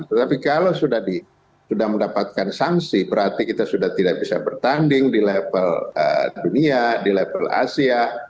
tetapi kalau sudah mendapatkan sanksi berarti kita sudah tidak bisa bertanding di level dunia di level asia